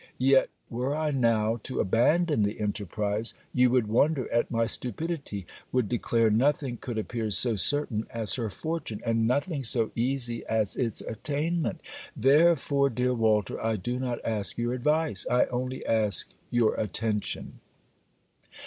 Yet, were I now to abandon the enterprise, you would wonder at my stupidity, would declare nothing could appear so certain as her fortune, and nothing so easy as its attainment. Therefore, dear Walter, I do not ask your advice; I only ask your attention.